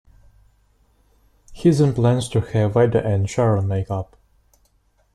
He then plans to have Weda and Sharon make up.